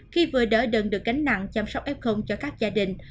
khi vừa đỡ đần được gánh nặng chăm sóc f cho các gia đình